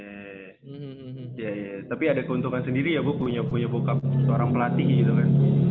oke tapi ada keuntungan sendiri ya bu punya bokap seorang pelatih gitu kan